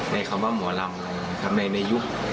ในคำว่าหมอรำนะครับในยุค